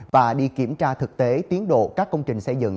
và đi kiểm tra thực tế tiến độ các công trình xây dựng